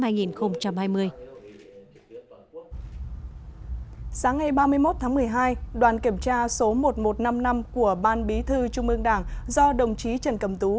sáng ngày ba mươi một tháng một mươi hai đoàn kiểm tra số một nghìn một trăm năm mươi năm của ban bí thư trung ương đảng do đồng chí trần cầm tú